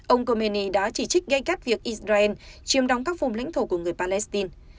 ông khomeini đã chỉ trích gay cắt việc israel chiêm đóng các vùng lãnh thổ của người palestine